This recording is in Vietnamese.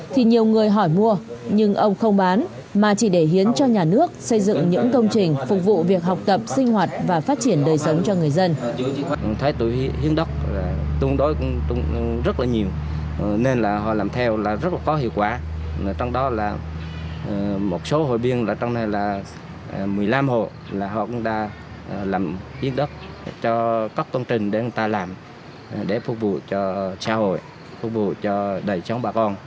thì nhiều người hỏi mua nhưng ông không bán mà chỉ để hiến cho nhà nước xây dựng những công trình phục vụ việc học tập sinh hoạt và phát triển đời sống cho người dân